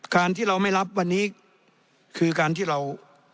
การที่เราไม่รับวันนี้คือการที่เรา